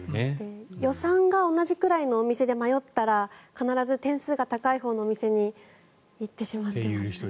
予算が同じぐらいのお店で迷ったら必ず点数の高いほうのお店に行ってしまっていました。